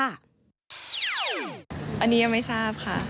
อันนี้ยังไม่ทราบค่ะ